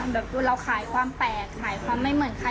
แบบดูเราขายความแปลกขายความไม่เหมือนใคร